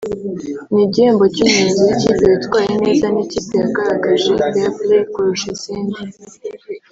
n’igihembo cy’umuyobozi w’ikipe witwaye neza n’ikipe yagaragaje Fair play kurusha izindi